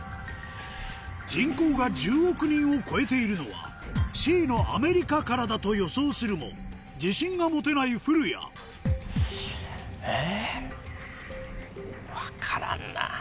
人口が１０億人を超えているのはＣのアメリカからだと予想するも自信が持てない古谷え？